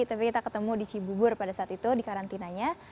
tapi kita ketemu di cibubur pada saat itu di karantinanya